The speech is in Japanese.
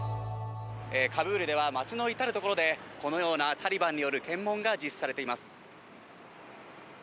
カブールでは、町の至る所で、このようなタリバンによる検問が実施されています。